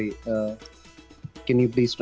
kita mengikuti matahari